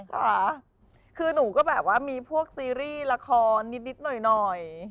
ค่ะคือหนูก็แบบว่ามีพวกซีรีส์ละครนิดหน่อย